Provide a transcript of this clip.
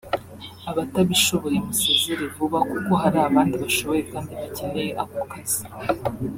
abatabishoboye musezere vuba kuko hari abandi bashoboye kandi bakeneye ako kazi